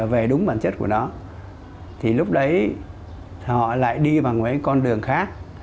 vô cùng khó khăn